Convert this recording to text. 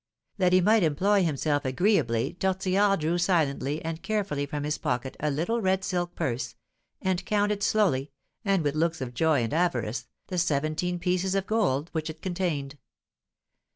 That he might employ himself agreeably Tortillard drew silently and carefully from his pocket a little red silk purse, and counted slowly, and with looks of joy and avarice, the seventeen pieces of gold which it contained.